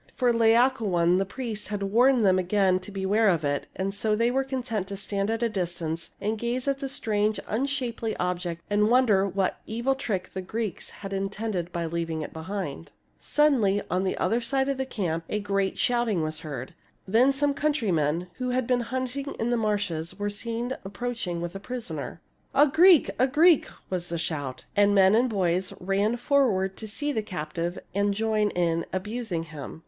For Laocoon, the priest, had warned them again to beware of it ; and so they were con tent to stand at a distance and gaze at the strange, unshapely object and wonder what evil trick the Greeks had intended by leaving it behind. Suddenly on the other side of the camp a great THE FALL OF TROY 143 shouting was heard. Then some countrymen, who had been hunting in the marshes, were seen ap proaching with a prisoner. " A Greek ! a Greek !" was the shout ; and men and boys ran forward to see the captive and join in abusing him.